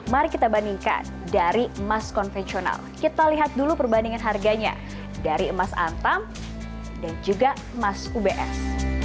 mari kita bandingkan dari emas konvensional kita lihat dulu perbandingan harganya dari emas antam dan juga emas ubs